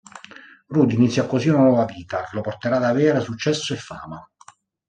Rudy inizia così una nuova vita che lo porterà ad avere successo e fama.